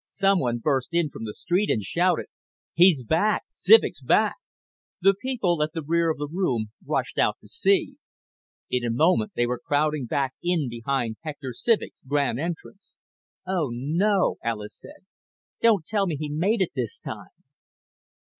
Someone burst in from the street and shouted: "He's back! Civek's back!" The people at the rear of the room rushed out to see. In a moment they were crowding back in behind Hector Civek's grand entrance. "Oh, no," Alis said. "Don't tell me he made it this time!"